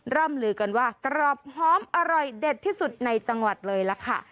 ร่ำลือกันว่ากรอบหอมอร่อยเด็ดที่สุดในจังหวัดเลยล่ะค่ะ